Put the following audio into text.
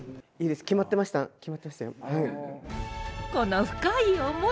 この深い思い！